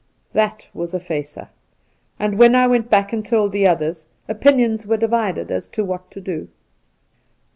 That was a facer, and when I went back and told the others, opinions were divided as to what to do.